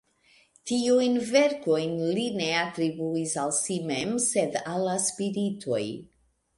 Tiujn verkojn li ne atribuis al si mem, sed al la spiritoj.